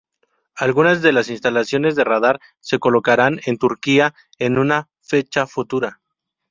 Algunas de las instalaciones de radar se colocarán en Turquía, en una fecha futura.